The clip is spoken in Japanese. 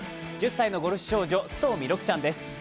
１０歳のゴルフ少女須藤弥勒ちゃんです。